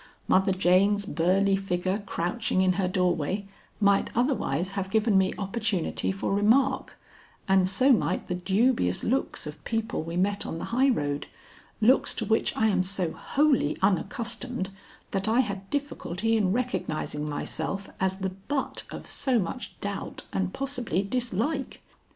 Mother Jane's burly figure crouching in her doorway might otherwise have given me opportunity for remark, and so might the dubious looks of people we met on the highroad looks to which I am so wholly unaccustomed that I had difficulty in recognizing myself as the butt of so much doubt and possibly dislike.